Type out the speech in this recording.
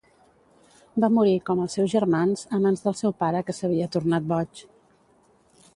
Va morir, com els seus germans, a mans del seu pare que s'havia tornat boig.